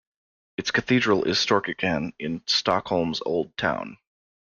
Its cathedral is Storkyrkan in Stockholm's old town.